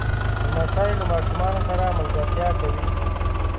لمسی له ماشومانو سره ملګرتیا کوي.